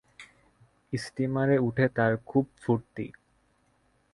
স্টিমারে উঠে তার খুব ফূর্তি।